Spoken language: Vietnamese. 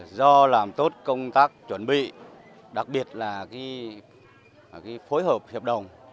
do làm tốt công tác chuẩn bị đặc biệt là phối hợp hiệp đồng